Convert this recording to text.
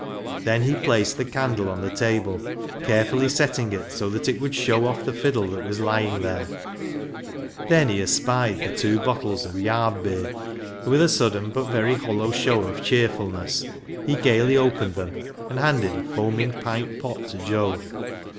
Then he placed the candle on the table, carefully setting it so that it would show off the fiddle that was lying there. Then he espied ISAAC'S FIDDLE 317 the two bottles of "yarb beer," and with a sudden but very hollow show of cheerfulness, he gaily opened them, and handed a foaming pint pot to Joe.